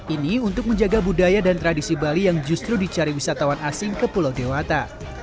ini untuk menjaga budaya dan tradisi bali yang justru dicari wisatawan asing ke pulau dewata